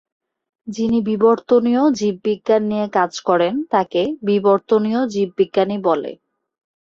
যিনি বিবর্তনীয় জীববিজ্ঞান নিয়ে কাজ করেন, তাকে বিবর্তনীয় জীববিজ্ঞানী বলে।